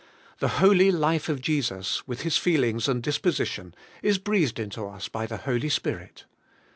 The holy life of Jesus, with His feelings and disposition, is breathed into us by the Holy Spirit.